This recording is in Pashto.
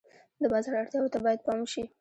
د بازار اړتیاوو ته باید پام وشي.